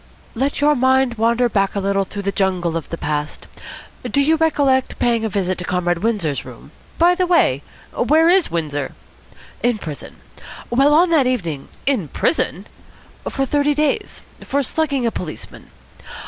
"Let your mind wander back a little through the jungle of the past. Do you recollect paying a visit to Comrade Windsor's room " "By the way, where is Windsor?" "In prison. Well, on that evening " "In prison?" "For thirty days. For slugging a policeman.